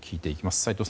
斎藤さん